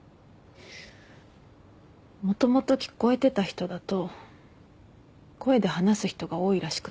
もともと聞こえてた人だと声で話す人が多いらしくて。